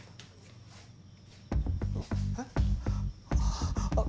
えっ？